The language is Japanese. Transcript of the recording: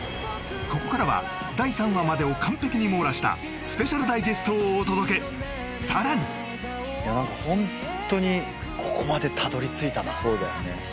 ここからは第３話までを完璧に網羅したスペシャルダイジェストをお届け更にいやなんかホントにここまでたどり着いたなそうだよね